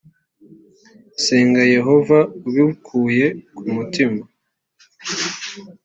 senga yehova ubikuye ku mutima